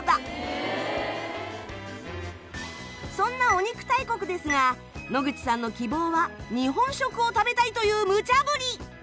そんなお肉大国ですが野口さんの希望は日本食を食べたいというむちゃ振り。